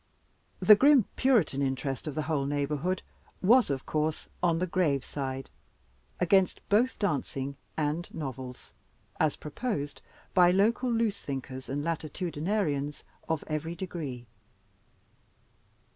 The grim Puritan interest of the whole neighborhood was, of course, on the grave side against both dancing and novels, as proposed by local loose thinkers and latitudinarians of every degree.